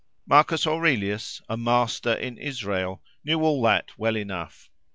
—Marcus Aurelius, "a master in Israel," knew all that well enough.